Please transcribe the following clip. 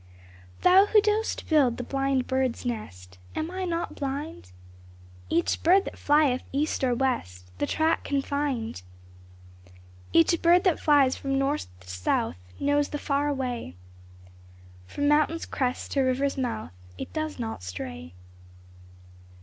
Thou who dost build the blind bird's nest, Am I not blind ? Each bird that flyeth east or west The track can find. Each bird that flies from north to south Knows the far way ; From mountain's crest to river's mouth It does not stray.